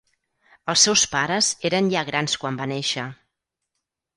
Els seus pares eren ja grans quan va néixer.